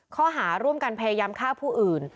ข้อหาร่วมกันพยายามฆ่าผู้อื่น